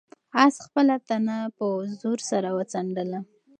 آس خپله تنه په زور سره وڅنډله.